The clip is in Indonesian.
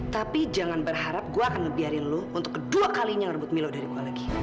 tapi jangan berharap gue akan ngebiarin lo untuk kedua kalinya ngerebut milo dari gua lagi